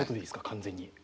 完全に。